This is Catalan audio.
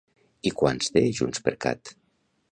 I quants té JxCat?